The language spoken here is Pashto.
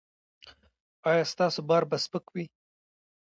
ایا ستاسو بار به سپک وي؟